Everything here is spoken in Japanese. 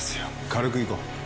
軽くいこう。